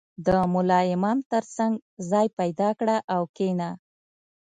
• د ملا امام تر څنګ ځای پیدا کړه او کښېنه.